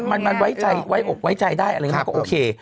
แม้มันมีใครไว้ออกไว้ใจได้มันก็โอเค